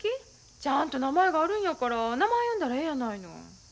ちゃんと名前があるんやから名前呼んだらええやないの。